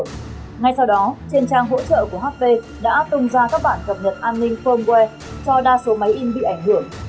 ngay sau đó trên trang hỗ trợ của hp đã tung ra các bản cập nhật an ninh fomware cho đa số máy in bị ảnh hưởng